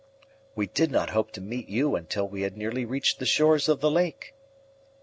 We did not hope to meet you until we had nearly reached the shores of the lake."